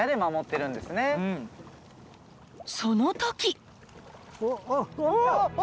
その時。